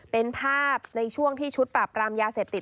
เป็นภาพในช่วงที่ชุดปราบรามยาเสพติด